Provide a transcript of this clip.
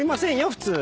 普通。